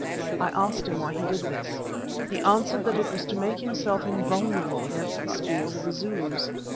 I asked him why he did this. He answered that it was to make himself invulnerable against the spears of the Zulus.